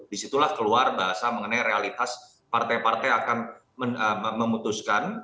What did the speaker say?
disitulah keluar bahasa mengenai realitas partai partai akan memutuskan